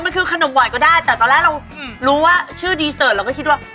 มันคือขนมหวานก็ได้แต่ตอนแรกเรารู้ว่าชื่อดีเสิร์ตเราก็คิดว่า